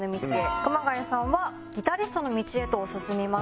熊谷さんはギタリストの道へと進みます。